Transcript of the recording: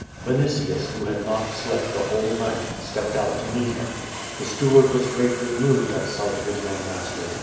Vinitius, who had not slept the whole night, stepped out to meet him. The steward was greatly .moved at sight of his young master.